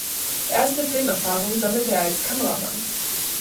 Erste Filmerfahrungen sammelte er als Kameramann.